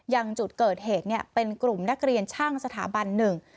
อย่างจุดเกิดเหตุเนี่ยเป็นกลุ่มนักเรียนช่างสถาบันหนึ่ง